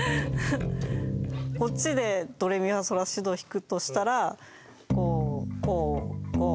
こっちでドレミファソラシドを弾くとしたらこうこうこうここまで。